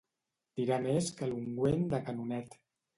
Tirar més que l'ungüent de canonet.